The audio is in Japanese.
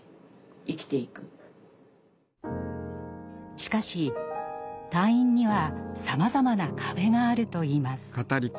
しかし退院にはさまざまな壁があるといいます。